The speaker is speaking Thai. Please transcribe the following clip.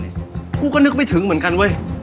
อีกที่รอดที่มาล่ะครับ